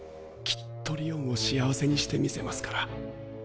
きっとりおんを幸せにしてみせますから。